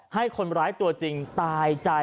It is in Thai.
ให้คนร้ายตัวจริงตายใจ